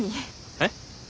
えっ。